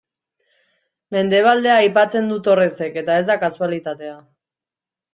Mendebaldea aipatzen du Torresek, eta ez da kasualitatea.